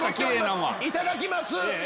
いただきます。